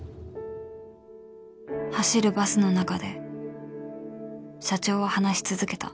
走るバスの中で社長は話し続けた